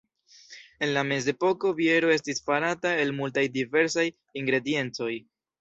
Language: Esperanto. En la mezepoko biero estis farata el multaj diversaj ingrediencoj.